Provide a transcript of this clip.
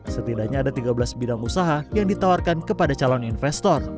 setidaknya ada tiga belas bidang usaha yang ditawarkan kepada calon investor